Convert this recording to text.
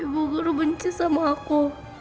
ibu guru benci sama aku